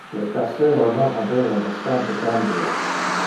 Le cassero non habeva bastante cambio.